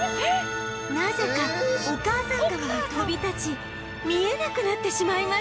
なぜかお母さんガモが飛び立ち見えなくなってしまいました